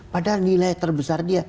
padahal nilai terbesar dia